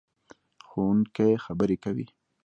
ښوونکې خبرې کوي.